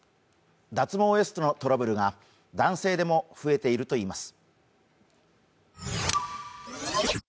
脱毛エステのトラブルが男性でも増えているといいます。